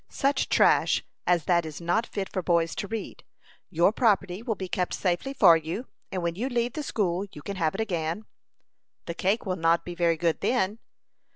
Such trash as that is not fit for boys to read. Your property will be kept safely for you, and when you leave the school, you can have it again." "The cake will not be very good then."